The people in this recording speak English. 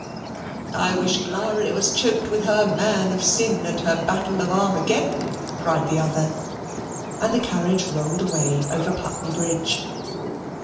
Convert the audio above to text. "I wish Glowry was choked with her Man of Sin and her Battle of Armageddon," cried the other, and the carriage rolled away over Putney Bridge.